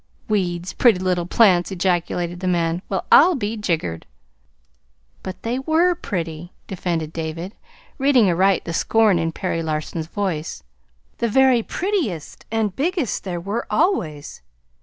"Weeds 'pretty little plants'!" ejaculated the man. "Well, I'll be jiggered!" "But they WERE pretty," defended David, reading aright the scorn in Perry Larson's voice. "The very prettiest and biggest there were, always.